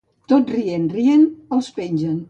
Tot rient, rient, els pengen.